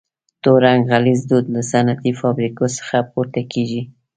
تور رنګه غلیظ دود له صنعتي فابریکو څخه پورته کیږي.